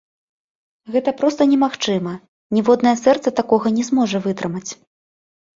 Гэта проста немагчыма, ніводнае сэрца такога не зможа вытрымаць.